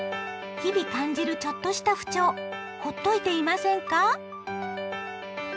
日々感じるちょっとした不調ほっといていませんか？